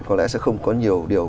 có lẽ sẽ không có nhiều điều